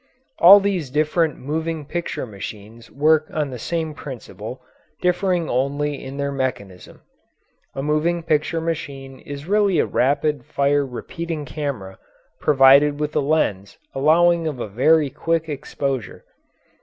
All these different moving picture machines work on the same principle, differing only in their mechanism. A moving picture machine is really a rapid fire repeating camera provided with a lens allowing of a very quick exposure.